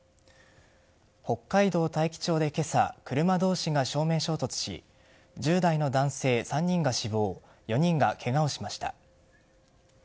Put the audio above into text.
北海道大樹町で今朝車同士が正面衝突し１０代の男性３人が死亡４人がけがをしました。